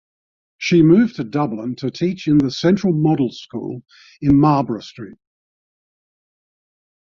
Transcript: She moved to Dublin to teach in the Central Model School in Marlborough Street.